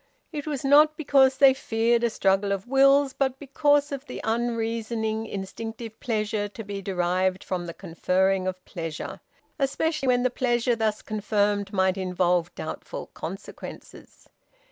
It was not because they feared a struggle of wills; but because of the unreasoning instinctive pleasure to be derived from the conferring of pleasure, especially when the pleasure thus conferred might involve doubtful consequences.